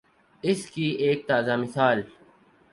اس کی ایک تازہ مثال